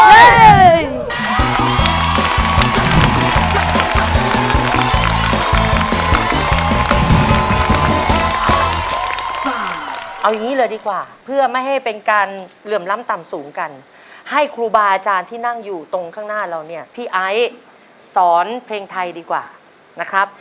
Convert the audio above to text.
เอาอย่างนี้เลยดีกว่าเพื่อไม่ให้เป็นการเหลื่อมล้ำต่ำสูงกันให้ครูบาอาจารย์ที่นั่งอยู่ตรงข้างหน้าเราเนี่ยพี่ไอซ์สอนเพลงไทยดีกว่านะครับ